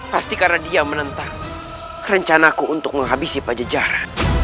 pasti karena dia menentang rencanaku untuk menghabisi pajejaran